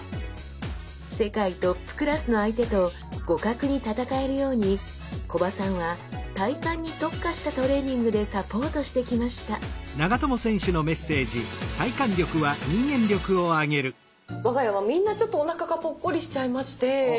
世界トップクラスの相手と互角に戦えるように木場さんは体幹に特化したトレーニングでサポートしてきました我が家はみんなちょっとおなかがポッコリしちゃいまして。